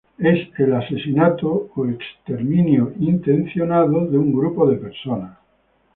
Es el asesinato o exterminación intencional de un grupo de personas.